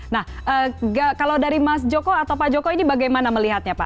nah kalau dari mas joko atau pak joko ini bagaimana melihatnya pak